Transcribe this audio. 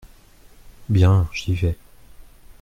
Bien, j'y vais.